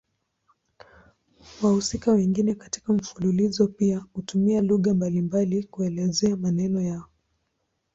Wahusika wengine katika mfululizo pia hutumia lugha mbalimbali kuelezea maneno yao.